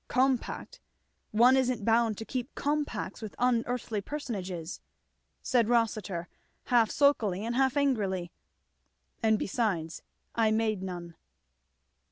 "Compact! one isn't bound to keep compacts with unearthly personages," said Rossitur, half sulkily and half angrily; "and besides I made none."